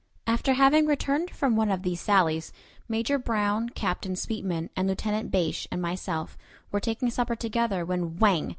After having returned from one of these sallies, Major Brown, Captain Sweetman, Lieutenant Bache, and myself were taking supper together, when "whang!"